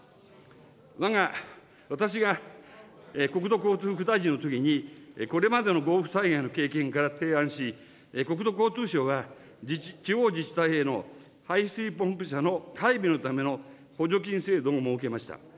わが、私が国土交通副大臣のときに、これまでの豪雨災害の経験から提案し、国土交通省が地方自治体への排水ポンプ車の配備のための補助金制度も設けました。